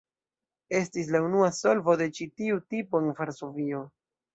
Estis la unua solvo de ĉi tiu tipo en Varsovio.